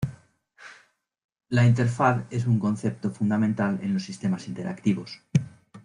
La interfaz es un concepto fundamental en los sistemas interactivos.